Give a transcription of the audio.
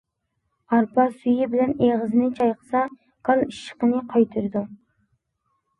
ئارپا سۈيى بىلەن ئېغىزنى چايقىسا گال ئىششىقىنى قايتۇرىدۇ.